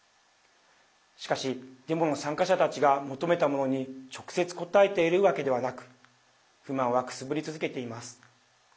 しかし、デモの参加者たちが求めたものに直接答えているわけではなく不満は、くすぶり続けています。